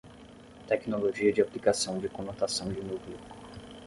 Tecnologia de aplicação de conotação de núcleo